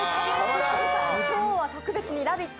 今日は特別にラヴィット！